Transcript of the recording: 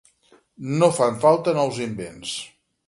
No fan falta nous invents.